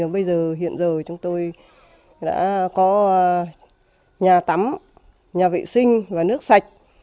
bây giờ hiện giờ chúng tôi đã có nhà tắm nhà vệ sinh và nước sạch